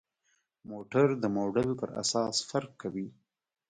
موټر د موډل پر اساس فرق کوي.